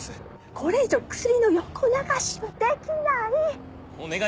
これ以上薬の横流しはできない！